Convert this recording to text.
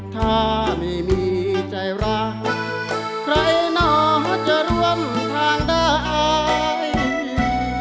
ถ้าไม่มีใจรักใครหนอจะร่วมทางได้